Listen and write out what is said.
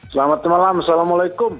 selamat malam assalamualaikum